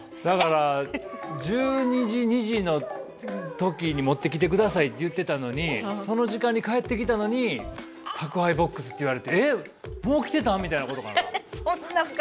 だから「１２時２時」の時に持ってきてくださいって言ってたのにその時間に帰ってきたのに宅配ボックスって言われて「えっもう来てたん？」みたいなことかな？